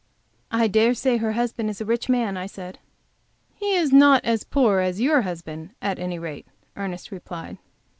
"I dare say her husband is a rich man," I said. "He is not as poor as your husband, at any rate," Ernest replied.